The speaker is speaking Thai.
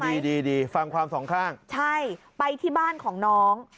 ดีดีฟังความสองข้างใช่ไปที่บ้านของน้อง